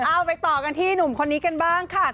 เอาไปต่อกันที่หนุ่มคนนี้กันบ้างค่ะ